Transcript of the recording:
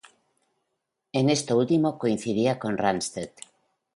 En esto último coincidía con Rundstedt.